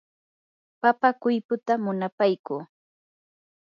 papa qullputa munapaykuu.